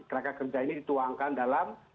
tenaga kerja ini dituangkan dalam